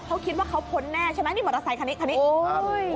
เขาคิดว่าเขาพ้นแน่ใช่ไหมนี่มอเตอร์ไซคันนี้คันนี้โอ้ย